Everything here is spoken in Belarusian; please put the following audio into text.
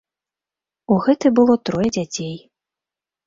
У гэтай было трое дзяцей.